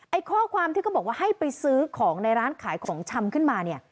ข้อความที่เขาบอกว่าให้ไปซื้อของในร้านขายของชำขึ้นมาเนี่ย